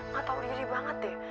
gak tau iri banget deh